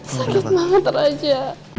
sakit banget raja